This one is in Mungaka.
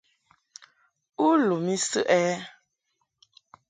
U lum I səʼ ɛ?